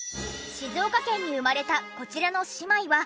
静岡県に生まれたこちらの姉妹は。